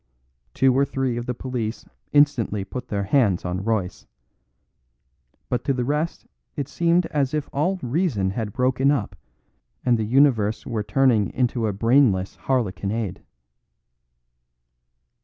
Two or three of the police instantly put their hands on Royce; but to the rest it seemed as if all reason had broken up and the universe were turning into a brainless harlequinade.